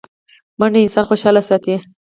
منډه انسان خوشحاله ساتي